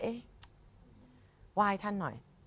เอ๊ะไหว้ท่านหน่อย